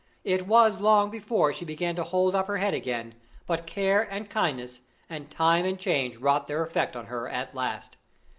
It was long before she began to hold up her head again; but care and kindness, and time and change wrought their effect on her at last.